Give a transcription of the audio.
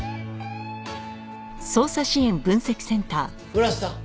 村瀬さん！